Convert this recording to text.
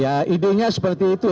ya idenya seperti itu